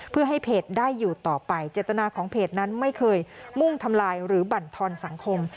เพื่อให้เพจได้อยู่ต่อไปเจตนาของเพจนั้นไม่เคยมุ่งทำลายหรือบรรทอนสังคม